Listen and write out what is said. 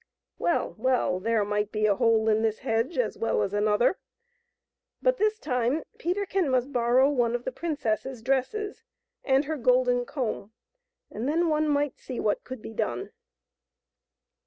Well, well ; there might be a hole in this hedge as well as another. But this time Peterkin must borrow one of the princess's dresses and her golden comb ; then one might see what could be done.